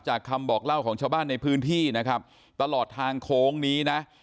คำบอกเล่าของชาวบ้านในพื้นที่นะครับตลอดทางโค้งนี้นะ